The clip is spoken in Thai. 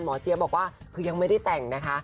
เจี๊ยบบอกว่าคือยังไม่ได้แต่งนะคะ